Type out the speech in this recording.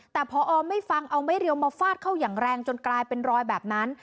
แต่พอไม่ฟังเอาไม่เร็วมาฟาดเข้าอย่างแรงจนกลายเป็นรอยแบบนั้น